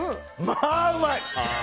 まあ、うまい！